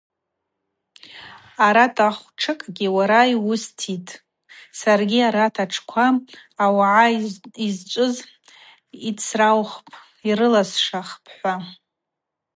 Арат ахвтшыкӏгьи уара йуыститӏ, саргьи арат атшква ауагӏа йызчӏвыз йдсраухпӏ, йрыласшахпӏ, –хӏва.